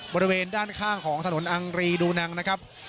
บริเวณด้านข้างของถนนอังรีดูนังนะครับ